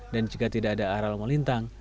dan jika tidak ada aral melintang